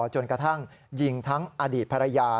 จนกระทั่งยิงทั้งอดีตภรรยา